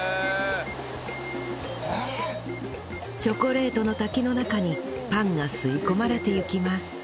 チョコレートの滝の中にパンが吸い込まれていきます